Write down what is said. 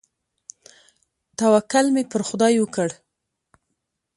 توکل مې پر خداى وکړ.